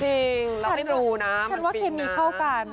จริงเราไม่รู้นะมันเป็นนะฉันว่าเคมีเข้ากัน